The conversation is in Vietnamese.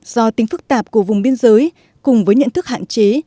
do tính phức tạp của vùng biên giới cùng với nhận thức hạn chế